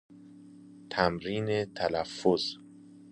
تمرین تلفظ